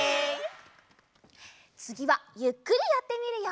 つぎはゆっくりやってみるよ！